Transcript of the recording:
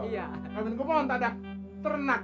gak penting gue mau entah ada ternak